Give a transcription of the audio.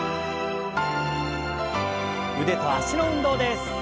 腕と脚の運動です。